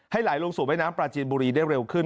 ไหลลงสู่แม่น้ำปลาจีนบุรีได้เร็วขึ้น